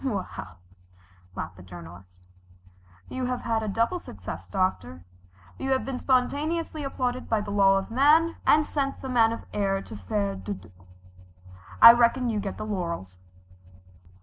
"Well," laughed the Journalist, "you have had a double success, Doctor. You have been spontaneously applauded by the man of law, and sent the man of the air to faire dodo. I reckon you get the laurels."